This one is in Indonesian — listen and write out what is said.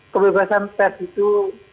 kebebasan pres itu